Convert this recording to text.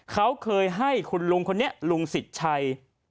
เขาเคยให้ลุงของนี้ลุงสิจชัย